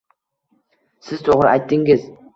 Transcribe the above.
Siz to’g’ri aytdingiz